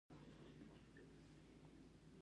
زه د موسیقۍ په اورېدو سره خوشحاله کېږم.